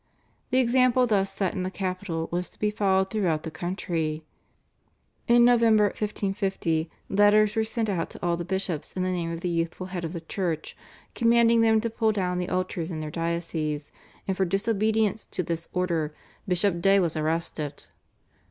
The example thus set in the capital was to be followed throughout the country. In November 1550 letters were sent out to all the bishops in the name of the youthful head of the Church, commanding them to pull down the altars in their dioceses, and for disobedience to this order Bishop Day was arrested.